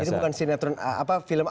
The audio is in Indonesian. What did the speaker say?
itu bukan sinetron film